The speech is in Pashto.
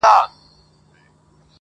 دا روغن په ټول دوکان کي قیمتې وه-